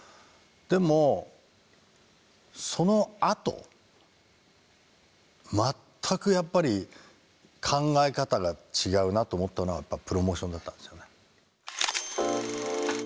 でもそのあと全くやっぱり考え方が違うなと思ったのはプロモーションだったんですよね。